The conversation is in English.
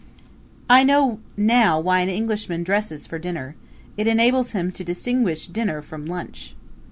I know now why an Englishman dresses for dinner it enables him to distinguish dinner from lunch.